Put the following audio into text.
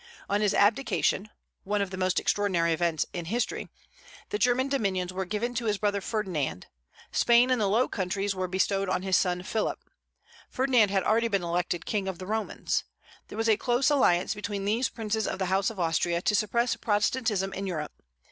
On his abdication, one of the most extraordinary events in history, the German dominions were given to his brother Ferdinand; Spain and the Low Countries were bestowed on his son Philip. Ferdinand had already been elected King of the Romans. There was a close alliance between these princes of the House of Austria to suppress Protestantism in Europe.